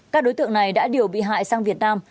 các đối tượng này đã điều bị hại sang việt nam